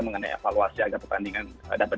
mengenai evaluasi agar pertandingan dapat